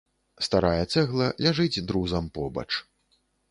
Старая цэгла ляжыць друзам побач.